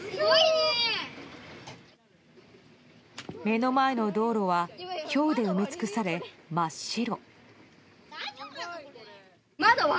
目の前の道路はひょうで埋め尽くされ真っ白。